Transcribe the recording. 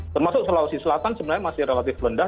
termasuk sulawesi selatan sebenarnya masih relatif rendah